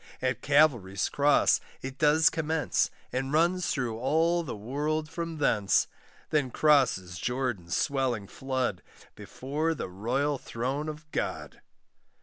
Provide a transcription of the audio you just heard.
At Calvary's cross it does commence, And runs through all the world from thence; Then crosses Jordan's swelling flood, Before the royal throne of God.